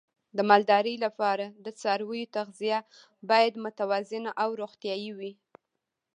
د مالدارۍ لپاره د څارویو تغذیه باید متوازنه او روغتیايي وي.